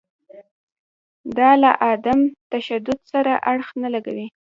دا له عدم تشدد سره اړخ نه لګوي.